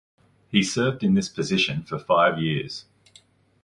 He served in this position for five years.